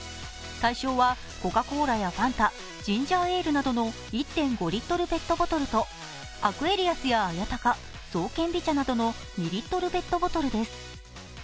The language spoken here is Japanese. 対象はコカ・コーラやファンタ、ジンジャーエールなどの１．５リットルペットボトルとアクエリアスや綾鷹、爽健美茶などの２リットルペットボトルです。